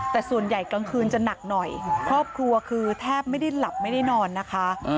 แต่ส่วนใหญ่กลางคืนจะหนักหน่อยครอบครัวคือแทบไม่ได้หลับไม่ได้นอนนะคะ